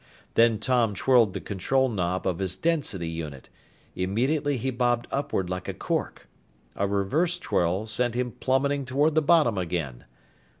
Then Tom twirled the control knob of his density unit. Immediately he bobbed upward like a cork. A reverse twirl sent him plummeting toward the bottom again.